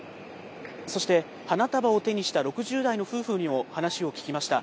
そして花束を手にした６０代の夫婦にも話を聞きました。